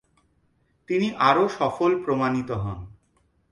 তিনি আরও সফল প্রমাণিত হন।